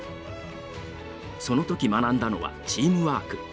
その時学んだのはチームワーク。